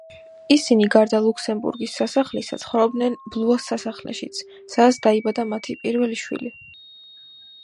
ისინი გარდა ლუქსემბურგის სასახლისა, ცხოვრობდნენ ბლუას სასახლეშიც, სადაც დაიბადა მათი პირველი შვილი.